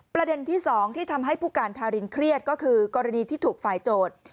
ประเด็นที่๒ที่ทำให้ผู้การทารินเครียดก็คือกรณีที่ถูกฝ่ายโจทย์